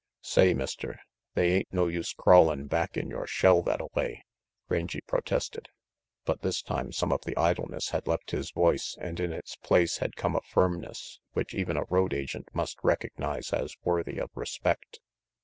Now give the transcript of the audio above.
"Say, Mister, they ain't no use crawlin' back in yore shell thattaway," Rangy protested, but this time some of the idleness had left his voice and in its place had come a firmness which even a road agent must recognize as worthy of respect.